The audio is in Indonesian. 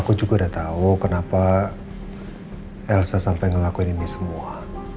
aku juga udah tahu kenapa elsa sampai ngelakuin ini semua